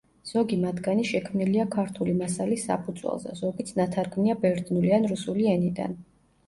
ზოგი მათგანი შექმნილია ქართული მასალის საფუძველზე, ზოგიც ნათარგმნია ბერძნული ან რუსული ენიდან.